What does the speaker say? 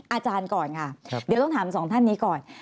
อาจารย์ก่อนค่ะเดี๋ยวต้องถามสองท่านนี้ก่อน